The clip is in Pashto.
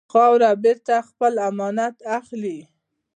خاوره بېرته خپل امانت اخلي.